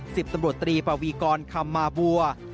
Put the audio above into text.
สิบตำรวจตรีปวีกรคำมาบัว